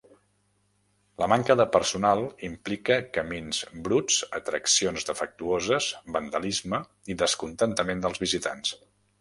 La manca de personal implica camins bruts, atraccions defectuoses, vandalisme i descontentament dels visitants.